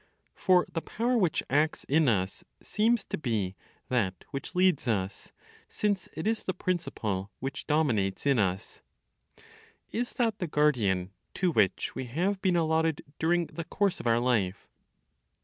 For the power which acts in us seems to be that which leads us, since it is the principle which dominates in us. Is that the guardian to which we have been allotted during the course of our life?